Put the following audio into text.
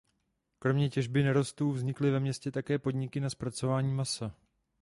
Kromě těžby nerostů vznikly ve městě také podniky na zpracování masa.